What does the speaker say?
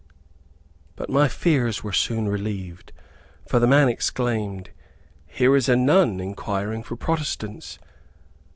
But my fears were soon relieved, for the man exclaimed, "Here is a nun, inquiring for protestants."